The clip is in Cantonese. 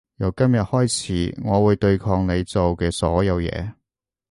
由今日開始我會對抗你做嘅所有嘢